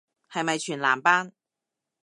係咪全男班